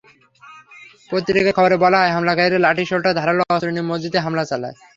পত্রিকার খবরে বলা হয়, হামলাকারীরা লাঠিসোঁটা, ধারালো অস্ত্র নিয়ে মসজিদে হামলা চালায়।